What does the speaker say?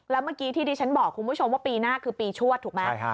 แล้วเมื่อกี้ที่ดิฉันบอกคุณผู้ชมว่าปีหน้าคือปีชวดถูกไหม